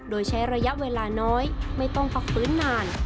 โดยใช้ระยะเวลาน้อยไม่ต้องพักฟื้นนาน